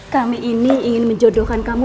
kami ini ingin menjodohkan kamu